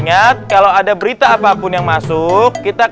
andon aja ya